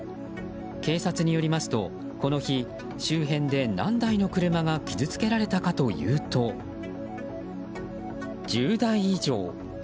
警察によりますとこの日、周辺で何台の車が傷つけられたかというと１０台以上。